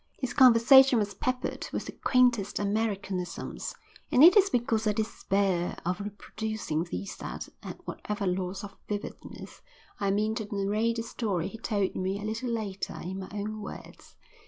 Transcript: His conversation was peppered with the quaintest Americanisms, and it is because I despair of reproducing these that, at whatever loss of vividness, I mean to narrate the story he told me a little later in my own words.